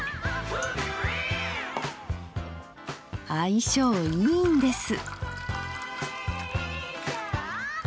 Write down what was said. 相性いいんです！